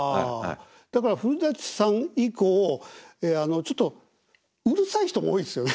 だから古さん以降ちょっとうるさい人が多いですよね。